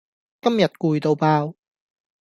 今日攰到爆